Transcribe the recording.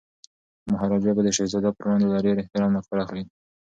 مهاراجا به د شهزاده پر وړاندي له ډیر احترام نه کار اخلي.